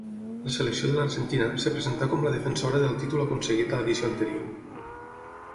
La selecció de l'Argentina, es presentà com la defensora del títol aconseguit a l'edició anterior.